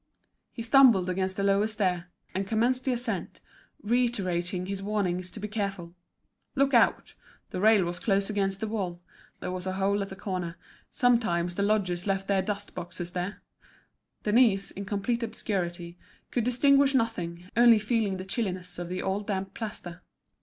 He stumbled against the lower stair, and commenced the ascent, reiterating his warnings to be careful. Look out! the rail was close against the wall, there was a hole at the corner, sometimes the lodgers left their dust boxes there. Denise, in complete obscurity, could distinguish nothing, only feeling the chilliness of the old damp plaster.